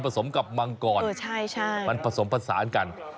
สมกับมังกรมันผสมผสานกัน